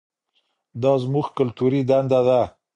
دا زموږ کلتوري دنده ده.